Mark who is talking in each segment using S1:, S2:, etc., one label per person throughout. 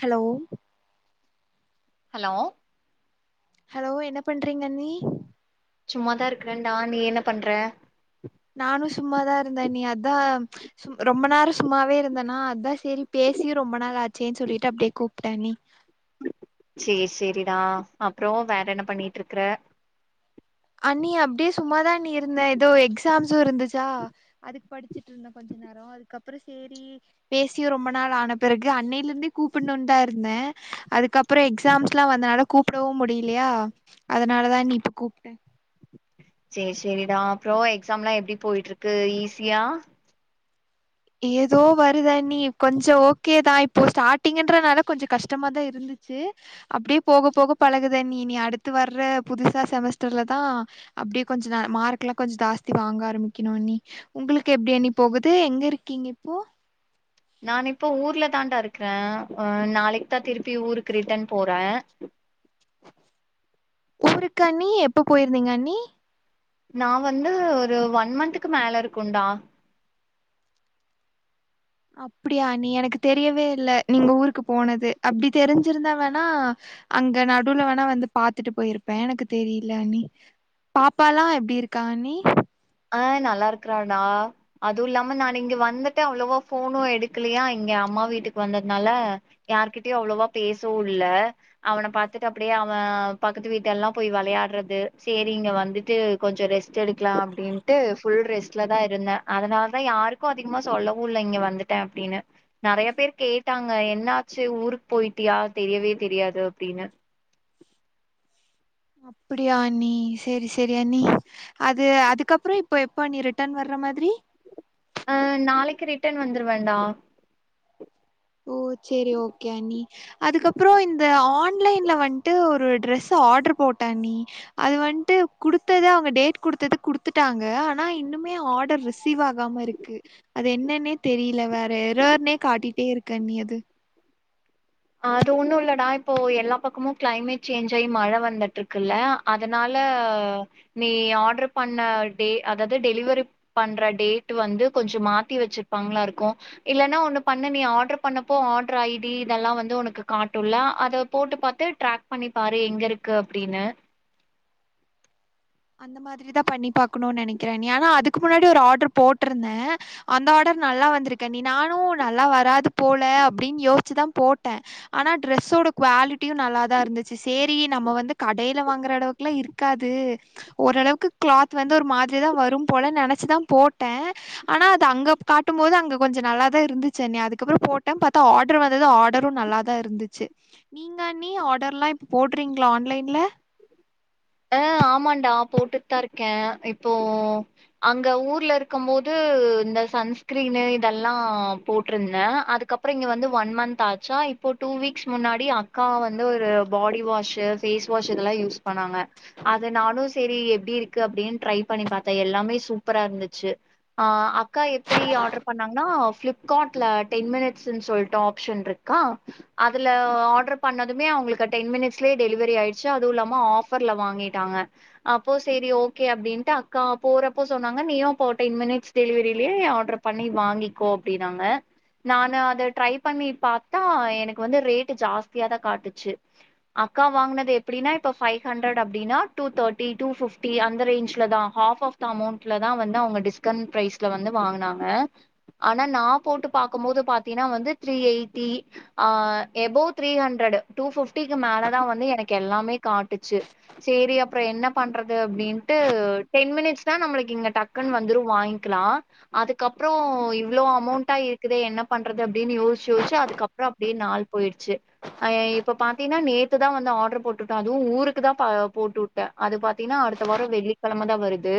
S1: hello
S2: hello
S1: hello என்ன பண்றீங்க அண்ணி
S2: சும்மாதா இருக்கறேன்டா நீ என்ன பண்ற
S1: நானு சும்மாதா இருந்தே அண்ணி அதா சும் ரொம்ப நேரோ சும்மாவே இருந்தேனா அதா செரி பேசி ரொம்ப நாள் ஆச்சேன்னு சொல்லிட்டு அப்டியே கூப்ட்ட அண்ணி
S2: செரி செரிடா அப்புறோ வேற என்ன பண்ணிட்டுருக்குற
S1: அண்ணி அப்டியே சும்மாதா அண்ணி இருந்தே எதோ எக்ஸாம்ஸு இருந்துச்சா அதுக்கு படிச்சுட்ருந்தே கொஞ்ச நே ரோ அதுக்கப்புறோ சேரி பேசியு ரொம்ப நாள் ஆன பெறகு அன்னையில இருந்தே கூப்புன்னு இருந்தே அதுக்கப்புறோ எக்ஸாம்ஸ்லா வந்தனால கூப்டவு முடியுலயா அதனால தா அண்ணி இப்ப கூப்ட்ட
S2: செரி சேரிடா அப்புறோ எக்ஸாலா எப்டி போயிட்ருக்கு ஈஸியா
S1: ஏதோ வருவே நீ கொஞ்சோ ஓகே தா இப்போ ஸ்டார்ட்டிங்ன்றனால கொஞ்சோ கஷ்டமா தா இருந்து ச்சு அப்டியே போக போக பழகுது நீ நீ அடுத்து வர்ற புதுசா செமஸ்டர்லதா அப்டி கொஞ்ச ந மார்க் எல்லா கொஞ்சோ ஜாஸ்தி வாங்க ஆரம்பிக்கணு அண்ணி உங்களுக்கு எப்டி அண்ணி போகுது எப்டி இருக்கீங்க இப்போ
S2: நான் இப்போ ஊர்ல தான்டா இருக்குறே அ நாளைக்கு தா திருப்பி ஊருக்கு ரிட்டன் போறே
S1: ஊருக்கு அண்ணி எப்ப போயிருந்தீங்கண்ணி
S2: நா வந்து ஒரு ஒன் மந்த்க்கு மேல இருக்கும்டா
S1: அப்டியா அண்ணி எனக்கு தெரியவே இல்ல நீங்க ஊருக்கு போனது அப்டி தெரிஞ்சிருந்தா வேணா அங்க நடுவுல வேணா வந்து பாத்துட்டு போயிருபே எனக்கு தெரியில அண்ணி பாப்பால்லா எப்டி இருக்கா அண்ணி
S2: ஆ நல்லா இருக்குறாடா அதுவு இல்லாம நா இங்க வந்துட்ட அவ்ளவா ஃபோனு எடுக்கலையா இங்க அம்மா வீட்டுக்கு வந்ததுனால யாருகிட்டயு அவ்ளவா பேசவு இல்ல அவனபாத்துட்டு அப்டியே அவே பக்கத்து வீட்ல எல்லா போய் விளையாடுறது சரி இங்க வந்துட்டு கொஞ்ச ரெஸ்ட் எடுக்லா அப்டின்னு இட்டு ஃபுல் ரெஸ்ட்ல தா இருந்தே அதனால தா யாருக்கு அதிகமா சொல்லவு இல்ல இங்க வந்துட்டே அப்டின்னு நெறைய பேர் கேட்டாங்க என்னாச்சு ஊருக்கு போயிட்டியா தெரியவே தெரியாது அப்டின்னு
S1: அப்டியா அண்ணி சரி சரி அண்ணி அது அதுக்கப்ற இப்ப எப்ப அண்ணி இப்ப ரிட்டர்ன் வர்ற மாரி
S2: அ நாளைக்கு ரிட்டன் வந்துருவேண்டா
S1: உம் சேரி ஓகே அண்ணி அதுக்கப்றோ இந்த ஆன்லைன்ல வந்துன்டு ஒரு ட்ரெஸ் ஆர்டர் போட்டே அண்ணி அது வந்துட்டு குடுத்தது அவுங்க டேட் குடுத்தது குடுத்துட்டாங்க ஆனா இன்னுமே ஆர்டர் ரிசீவாகாம இருக்கு அது என்னன்னே தெரியல வேற எறருனே காட்டிட்டே இருக்கு அண்ணி அது
S2: அது ஒன்னு இல்லடா இப்போ எல்லா பக்கமு கிளைமேட் சேஞ்ச் ஆயி மழ வந்துட்டு இருக்குல்ல அதனால நீ ஆர்டர் பண்ண டே அதாவது டெலிவரி பண்ற டேட் வந்து கொஞ்சோ மாத்தி வச்சிருப்பாங்களா இருக்கு இல்லன்னா ஒண்ணு பண்ண நீ ஆர்டர் பண்ணப்போ ஆர்டர் ஐடி இதெல்லா வந் உனக்கு காட்டும்ல அத போட்டு பாத்து டிராக் பண்ணி பாரு எங்க இருக்கு அப்டின்னு
S1: அந்த மாரிதா பண்ணி பாக்கணும்னு நெனைக்கிறே அண்ணி ஆனா அதுக்கு முன்னாடி ஒரு ஆர்ட்ர் போட்ருந்தே அந்த ஆர்டர் நல்லா வந்திருக்கு அண்ணி நானும் நல்லா வராது போல அப்டின்னு யோசிச்சுதா போட்டே ஆனா டிரெஸ்ஸோட குவாலிட்டியும் நல்லாதா இருந்துச்சு சேரி நம்ம வந்து கடையில வாங்குற அளவுக்கெல்லா க்காது ஓரளவுக்கு கிளாத் வந்து ஒரு மாரிதான் வரும் போல நெனைச்சுதா போட்டே ஆனா அது அங்க காட்டும் போது அங்க கொஞ்சோம் நல்லாதா இருந்துச்சு அண்ணி அதுக்கப்பறோம் போட்டே பாத்தா ஆர்ட்ர் வந்தது ஆர்ட்ரும் நல்லா இருந்துச்சு நீங்க அண்ணி ஆர்டர்லாம்‌ ‌போட்றீங்ளா‌ ஆன்லைன்ல
S2: ஆ ஆமாண்டா போட்டுட்டு தா இருக்கே இப்போ அங்க ஊர்ல இருக்கும் போது இந்த சன்ஸ்கிரீனு இதெல்லா போட்ருந்தே அதுக்கப் அப்பறம் இங்க வந்து ஒன் மந்த் ஆச்சா இப்போ டூ வீக்ஸ் முன்னாடி அக்கா வந்து ஒரு பாடி வாஷ் பேஸ் வாஷ் இதெல்லா யூஸ் பண்ணாங்க அத நானும் செரி எப்டி இருக்கு அப்டின் ட்ரை பண்ணி பாத்தேனஎல்லாமே சூப்பரா இருந்துச்சு ஆ அக்கா எப்டி ஆர்டர் பண்ணாங்கன்னா ப் காட்ல டென் மினிட்ஸ்ன்னு சொல்ட்டு ஆப்ஷன் இருக்கா அதுல ஆர்டர் பண்ணதுமே அவுங்களுக்கு டென் மினிட்ஸ்லேயே டெலிவரி ஆயிடுச்சு அதுவும்ல்லாம ஆஃபர் ல வாங்கிட்டாங்க அப்போ சேரி ஓகே அப்டின்ட்டு அக்கா போறப்போ சொன்னாங்க நீயு அப்ப டென் மினிட்ஸ் டெலிவரிலயே ஆர்டர் பண்ணி வாங்கிக்கோ அப்டினாங்க நானு அத ட்ரை பண்ணி பாத்தா எனக்கு வந்து ரேட்டு் ஜாஸ்தியாதா காட்டுச்சு அக்கா வாங்குனது எப்டினா இப்ப பைவ் ஹண்ட்ரட் அப்டின்னா டூ தேர்டி டூ பிப்டி அந்த ரேஞ்ச்ல தா ஹாப் ஆஃப் த அமௌண்ட்ல தா வந்து அவங்க டிஸ் க்கன் ப்ரைஸ்ல வந்து வாங்கனாங்க ஆனா நா போட்டு பாக்கும் போது பாத்தீனா வந்து த்ரீ எயிட்டி ஆ எபோவ் த்ரீ ஹண்ட்ரட் டூ ஃபிஃப்டிக்கு மேல தா வந்து எனக்கு எல்லாமே காட்டுச்சு சேரி அப்பற என்ன பண்றது அப்டின்ட்டு டென் மினிட்ஸ்னா நம்ளுக்கு இங்க டக்குன் வந்துரு வாங்க்கலா அதுக்கப்புறோ இவ்ளோ அமௌண்டா இருக்குதே என்ன பண்றது அப்டின் யோசிச்சி யோசிச்சி அதுக்கப் ப்புறோ அப்டியே நாள் போய்ட்ச்சு அ இப்ப பாத்தீன்னா நேத்துதா வந்து ஆடர் போட்டுருக்காங் துவு ஊருக்கு தா ப போட்டுட்டே அது பாத்தீனா அடுத்த வார வெள்ளிக்கிழமதா வருது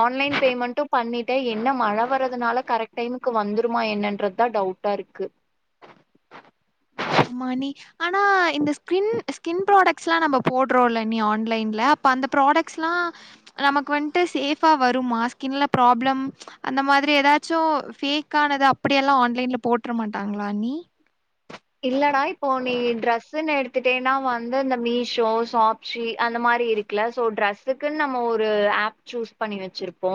S2: ஆன்லைன் பேமெண்ட்டு பண்ணிட்டே என்ன மழ வரதுனால கரெக்ட் டைமுக்கு வந்துருமா என்னன்றது தா டவுட் டாருக்கு
S1: மணி ஆனா இந்த ஸ்கின் ஸ்கின் ப்ராடக்ட்ஸ்ல்லா நம்ம போடுறோல்ல அண்ணி ஆன்லைன்ல அப்ப அந்த ப்ராடக்ட்ஸ்ல்லா நமக்கு வன்ட்டு சேஃபா வருமா ஸ்கின்ல ப்ராப்ளம் அந்த மாத்ரி ஏதாச்சு ஃபேக்கானது அப்டியல்லா ஆன்லைன்ல போட்ர மாட்டாங்களா அண்ணி
S2: இல்லடா இப்போ நீ ட்ரெஸ்சுன் எடுத்துட்டேனா வந்து அந்த மீஷோ ஷாப் சி அந்த மாரி இருக்குல சோ ட்ரெஸுக்குன் நம்ம ஒரு ஆப் சூஸ் பண்ணி வெச்சிருப் போ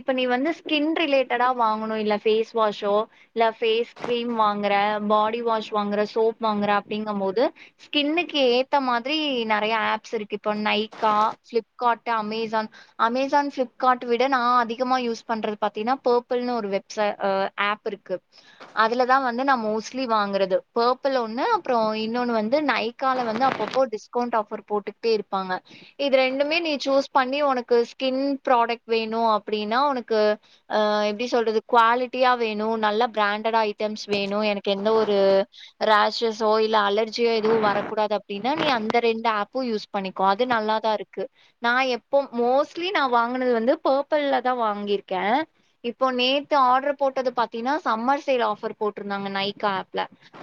S2: இப்ப நீ வந்து ஸ்கின் ரிலேட்டடா வாங்கணு இல்ல ஃபேஸ் வாஷோ இல்ல ஃபேஸ் கிரீம் வாங்கற பாடி வாஷ் வாங்கற சோப் வாங்கற அப்டிங்கும் போது ஸ்கின்னுுக்கு ஏத்த மாத்ரி நெறைய ஆப்ஸ் இருக்கு இப்போ நைக்கா ஃப்ளிப்கார்ட்டு அமேஜான் அமேஜான் ஃப்ளிப்கார்ட்டு விட நா அதிகமா யூஸ் பண்றது பாத்தீன்னா பர்பிள் ஒரு வெப்ச அ ஆப் ப் இருக்கு அதுலதா வந்து நா மோஸ்ட்லி வாங்குறது பர்பிள் ஒண்ணு அப்புறோ இன்னொன்னு வந்து நைக்கால வந்து அப்பப்போ டிஸ்கவுண்ட் ஆஃபர் போட்டுக்ட்டே இருப்பாங்க இது ரெண்டுமே நீ சூஸ் பண்ணி உனக்கு ஸ்கின் ப்ராடக்ட் வேணு அப்டினா உனக்கு அ எப்டி சொல்றது குவாலிட்டயா வேணு நல்ல பிராண்டட் ஐட்டம்ஸ் வேணு எனக் எந்த ஒரு ராஷஷ்சோ இல்ல அலர்ஜியோ எதுவு வரக்கூடாது அப்டினா நீ அந்த ரெண்டு ஆப்பு யூஸ் பண்ணிக்கோ அது நல்லாதா இருக்கு நா எப்போ மோஸ்ட்லி நா வாங்கனது வந்து பர்பிள்ல தா வாங்கிருக்கே இப்போ நேத்து ஆடர் போட்டது பாத்தீன்னா சம்மர் சேல் ஆஃபர் போட்டிருந்தாங்க நைக்கா ஆப்ல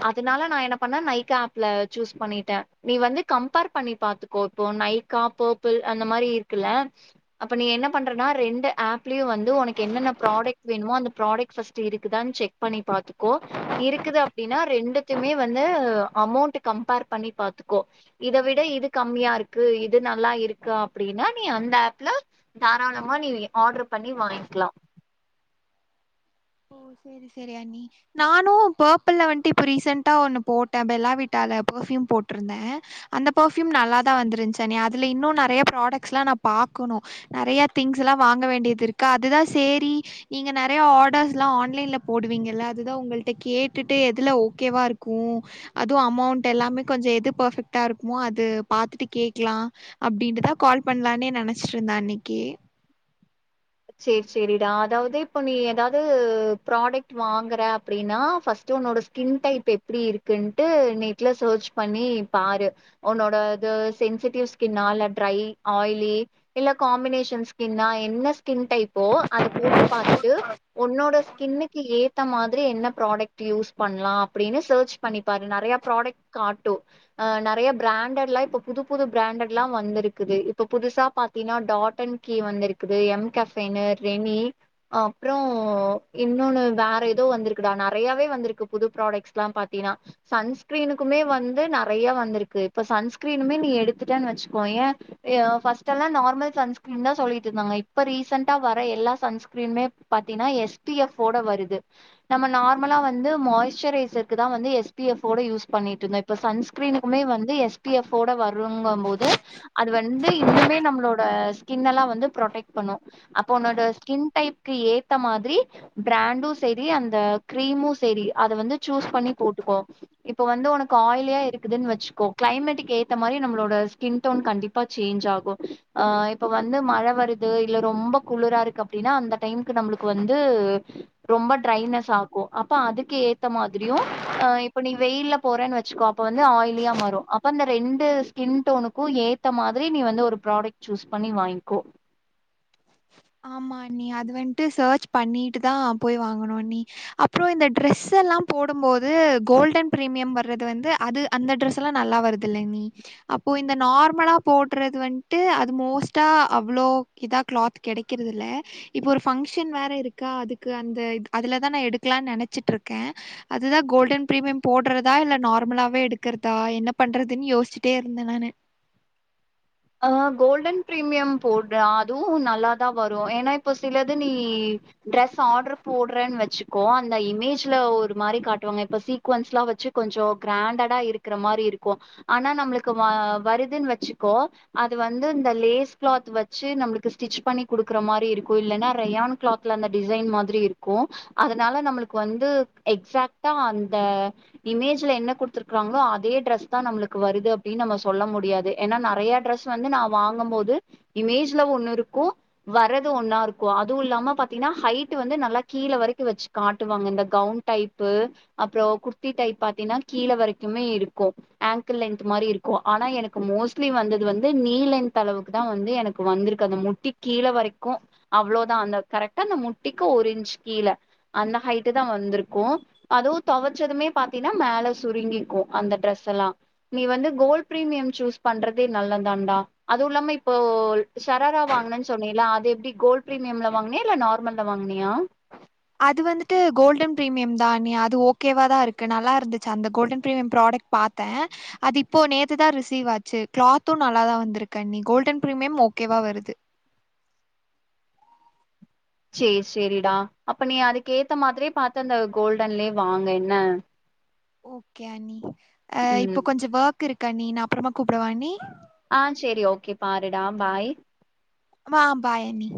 S2: அதனால் நா என்ன பண்ணே நைக்கா ஆப்ல சூஸ் பண்ணிட்டே நீ வந்து கம்பேர் பண்ணி பாத்து கோ இப்ப நைக்கா பர்பிள் அந்த மாறி இருக்குல்ல அப்ப நீ என்ன பண்றனா ரெண்டு ஆப்லயு வந்து உனக்கு என்னென்ன ப்ராடெக்ட் வேணுமோ அந்த ப்ராடெக்ட் ஃபஸ்ட்டு இருக்குதானு செக் பண்ணி பாத்துக்கோ இருக்குது அப்டினா ரெண்ட் எதுக்குமே வந்து அமௌண்ட் கம்பேர் பண்ணி பாத்துக்கோ இத விட இது கம்மியாருக்கு இது நல்லா இருக்கு அப்டினா நீ அந்த ஆப்ல தாராளமா நீ ஆடர்ரு பண்ணி வாங்கலா
S1: ஓ சேரி சேரி அண்ணி நானு பர்பிள்ல வன்ட்டு இப்ப ரீசண்ட்டா ஒன்னு போட்டே பெல்லா விட்டால பர்ஃப்யூம் போட்டிருந்தே அந்த பர்ஃப்யூம் நல்லாதா வந்துருச்சு அண்ணி அதுல இன்னு நெறையா ப்ராடெக்ட்ஸ்லா நா பாக்கணு நெறையா திங்ஸ் எல்லா வாங்க வேண்டியதுருக்கு அதுதா சேரி நீங்க நெறையா ஆடர்ஸ் இதலா ஆன்லைன்ல போடுவீங்கள்ல அதுதா உங்கள்ட்ட கேட்டுட்டு எதுல ஓகேவா இருக்கு அதுவு அமௌண்ட் எல்லாமே கொஞ்ச எது பர்பெக்ட்டா இருக்குமோ அது பாத்துட்டு கேக்கலா அப்டின்ட்டுதா கால் பண்ணலான்னே நெனச்சிட்ருந்த அன்னைக்கி
S2: சேர் சேரிடா அதாவது இப்ப நீ ஏதாவது ப்ராடெக்ட் வாங்குற அப்டின்னா ஃபஸ்ட்டு ஒன்னோட ஸ்கின் டைப் எப்டி இருக்குன்ட்டு நெட்ல சர்ச் பண்ணி பாரு ஒன்னோட அது சென்சிட்டிவ் ஸ்கின்னா இல்ல ட்ரை ஆய்லி இல்ல காமினேஷன்ஸ் ஸ்கின்னா என்ன ஸ்கின் டைப்போ அத போட்டு பாத்துட்டு ஒன்னோட ஸ்கின்னுக்கு ஏத் த மாதிரி என்ன ப்ராடக்ட் யூஸ் பண்லா அப்டின்னு சர்ச் பண்ணிப்பாரு நெறையா ப்ராடக்ட் காட்டு ஆ நெறையா பிராண்டட்லா இப்ப புது புது பிராண்டட்லா வந்துருக்குது இப்ப புதுசா பா பத்தினா டாட்டன் கி வந்திருக்குது எம் கஃபைனர் ரெனி அப்றோ இன்னோன்னு வேற எதோ வந்திருக்குடா நெறையாவே வந்திருக்கு புது ப்ராடக்ட்ஸ்ல்லா பாத்தீனா சன்ஸ்கிரீனுக்குமே வந்து நெறையா வந்துருக்கு இப்ப சன்ஸ்கிரீனுமே நீ எடுத்துட்டேன் வச்சுக்கோயே ஏ ஃபஸ்ட்டல்லா நார்மல் சன்ஸ்கிரீன் தா சொல்லிட்டு இருந்தாங்க இப் இப்ப ரீசண்டா வர எல்லா சன்ஸ்கிரீனுமே பாத்தீனா எஸ் டி எஃப்ஃபோட வருது நம்ம நார்மலா வந்து மாய்ஸ்டரைசர்க்கு தா வந்து எஸ் பி எஃப் ஓட யூஸ் பண்ணிட்டு இருந்தோ இப்ப சன்ஸ்கிரீனுக்குமே வந்து எஸ் பி எஃப் ஓட வருங்கம் போது அது வந்து இன்னுமே நம்மளோட ஸ்கினல்லா வந்து ப்ரொடெக்ட் பண்ணு அப்ப ஒன்னோட ஸ்கின் டைப்க்கு ஏத்த மாதிரி பிராண்டு சரி அந்த கிரீமு சரி அத வந்து சூஸ் பண்ணி போட்டுக்கோ இப்ப வந்து ஒனக்கு ஆய்லியா இருக்குதுன் வச்சுக்கோ கிளைமேட்க்கு ஏத்த மாரி நம்மளோட ஸ்கின் டோன் கண்டிப் ப்பா சேஞ்ச் ஆகு ஆ இப்ப வந்து மழ வரு து இல்ல ரொம்ப குளுரா இருக்கு அப்டின்னா அந்த டைம்க்கு நம்மளுக்கு வந்து ரொம்ப டிரைனஸ் ஆக்கு அப்ப அதுக்கு ஏத்த மாதிரியு அ இப்ப நீ வெயில்ல போறேன்னு வச்சுக்கோ அப்ப வந்து ஆய்லியா மாறு அப்ப அந்த ரெண்டு ஸ்கின் டோனுக்கு ஏத்த மாதிரி நீ வந்து ஒரு ப்ராடக்ட் சூஸ் பண்ணி வாங்க்கோ
S1: ஆமா அண்ணி அது வன்ட்டு சர்ச் பண்ணிட்டு தா போய் வாங்கனு அண்ணி அப்பறோ இந்த டிரெஸ்ஸல்லா போடம் போது கோல்டன் பிரீமியம் வர்றது வந்து அது அந்த டிரஸ்ஸல்லா நல்லா வருதுல்லண்ணி அப்போ இந்த நார்மலா போட்றது வன்ட்டு அது மோஸ்ட்டா அவ்வளோ இதா கிளாத் கெடைக்கிறதில்ல இப்ப ஒரு பங்ஷன் வேற இருக்கா அதுக்கு அந்த அதுலதா நா எடுக்கலான் நெனைச்சுட்ருக்கே அதுதா கோல்டன் பிரீமியம் போட்றதா இல்ல நார்மலாவே எடுக்கறதா என்ன பண்றதுன் யோஸ்ச்சுட்டே இருந்தே நானு
S2: அ கோல்டன் பிரீமியம் போட்றா அதுவு நல்லாதா வரு ஏனா இப்போ சிலது நீ ட்ரெஸ் ஆர்டர் போட்றன் வச்சுக்கோ அந்த இமேஜ்ல ஒரு மாரி காட்டுவாங்க இப்ப சீ சீக்வன்ஸ்லா வச்சு கொஞ்சோ கிராண்டடா இருக்குற மாரி இருக்கு ஆனா நம்மளுக்கு வ வருதுன் வச்சுக்கோ அது வந்து இந்த லேஸ் கிளாத் வச்சு நம்மளுக்கு ஸ்டிச் பண்ணி குடுக்குற மாரி இருக்கு இல்லேன்னா ரயான் கிளாத் ல அந்த டிசைன் மாதிரி இருக்கு அதுனால நம்மளுக்கு வந்து எக்சாக்டா அந்த இமேஜ்ல என்ன குடுத்துருக்காராங்களோ அதே டிரஸ் தா நம்மளுக்கு வருது அப்டின் நம்ம சொல்ல முடியாது ஏனா நெறையா டிரெஸ் வந்து நா வாங்கம் போது இமேஜ்ல ஒண்ணுருக்கு வர்றது ஒண்ணா இருக்கு அதுவு இல்லாம பாத்தீங்ன்னா ஹைட் வந்து நல்லா கீழ வரைக்கு வச்சு காட்டுவாங்க இந்த கவுன் டைப்பு அப்றோ குர்த்தி டைப் பாத்தீங்ன்னா கீழ வரைக்குமே இருக்கு ஆங்கிள் லென்த் மாரி இருக்கு ஆனா எனக்கு மோஸ்ட்லி வந்தது வந் து நீ லென்த் அளவுக்கு தா வந்து எனக்கு வந்துருக்கு அந்த முட்டி கீழ வரைக்கு அவ்ளோதா அந்த கரெக்டா அந்த முட்டிக்கு ஒரு இன்ச்சு கீழ அந்த ஹைட்டு தா வந்துருக்கு அதுவு தொவச்சதுமே பாத்தீன்னா மேல சுருங்கிக்கோ அந்த டிரஸ்ஸல்லா நீ வந்து கோல்ட் பிரீமியம் சூஸ் பண்றதே நல்லதான்டா அதுவும் இல்லாம இப்போ ஷராரா வாங்னன்னு சொன்னீல்ல அது எப்டி கோல்ட் பிரரீமியம்ல வாங்னியா இல்ல நார்மல் ல வாங்குனியா
S1: அது வந்துட்டு கோல்டன் பிரீமியம் தா நி அது ஓகேவா தா இருக்கு நல்லா இருந்துச்சு அந்த கோல்டன் பிரீமியம் ப்ராடக்ட் பாத்த அது இப்போ நேத்து தா ரிசீவ் ஆச்சு கிளாத்து நல்லா தா வந்திருக்கு அண்ணி கோல்டன் பிரீமியம் ஓகேவா வருது
S2: சேரி சேரிடா அப்ப நீ அதுக்கு ஏத்த மாதிரியே பாத்து அந்த கோல்டன்லயே வாங்கு என்ன
S1: ஓகே அண்ணி அ
S2: ம்
S1: இப்போ கொஞ்சோ ஒர்க் இருக்கண்ணி நா அப்பறமா கூப்டவா அண்ணி
S2: அ சேரி ஓகே பாருடா பாய்
S1: மா அ பாய் அண்ணி